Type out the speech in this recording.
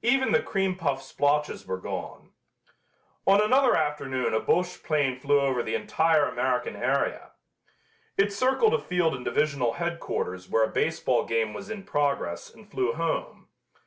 Even the cream puff splotches were gone. On another afternoon a Boche plane flew over the entire American area. It circled a field in divisional headquarters where a baseball game was in progress and flew home.